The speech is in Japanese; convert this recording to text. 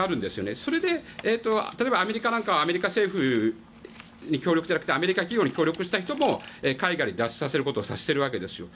それで例えばアメリカなんかはアメリカ政府に協力じゃなくてアメリカ企業に協力した人も海外に脱出させることもしているわけですよ。